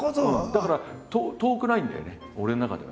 だから遠くないんだよね俺の中ではね。